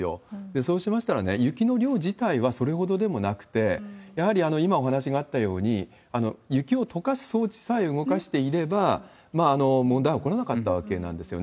そうしましたら、雪の量自体はそれほどでもなくて、やはり今お話があったように、雪をとかす装置さえ動かしていれば、問題は起こらなかったわけなんですよね。